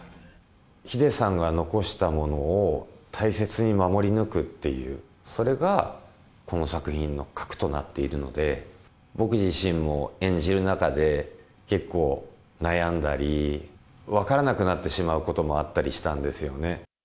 ｈｉｄｅさんが残したものを大切に守り抜くっていう、それがこの作品の核となっているので、僕自身も演じる中で、結構悩んだり、分からなくなってしまうこともあったりしたんですよね。